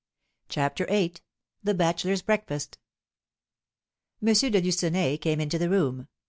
CHAPTER VIII. THE BACHELORS' BREAKFAST. M. de Lucenay came into the room.